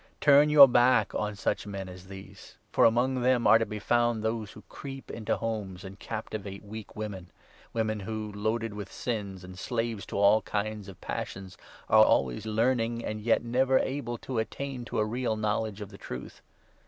Turn your back on such men as these. For among them are to be found those who creep into homes 6 and captivate weak women — women who, loaded with sins, and slaves to all kinds of passions, are always learning, and 7 yet never able to attain to a real knowledge of the Truth.